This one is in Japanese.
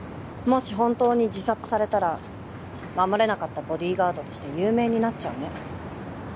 もし本当に自殺されたら護れなかったボディーガードとして有名になっちゃうね。